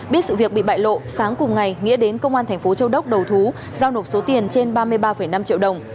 biết sự việc bị bại lộ sáng cùng ngày nghĩa đến công an thành phố châu đốc đầu thú giao nộp số tiền trên ba mươi ba năm triệu đồng